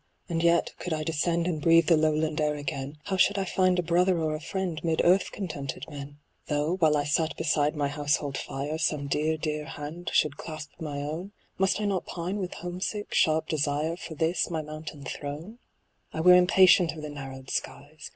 And yet, could I descend And breathe the lowland air again, How should I find a brother or a friend 'Mid earth contented men ? Though, while I sat beside my household fire, Some dear, dear hand should clasp my own. Must I not pine with home sick, sharp desire For this my mountain throne ? I were impatient of the narrowed skies.